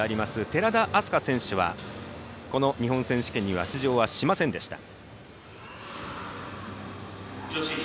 寺田明日香選手はこの日本選手権には出場はしませんでした。